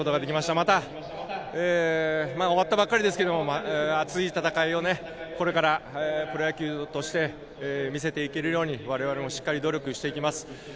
また、終わったばっかりですけども熱い戦いをこれからプロ野球として見せていけるように我々もしっかり努力していきます。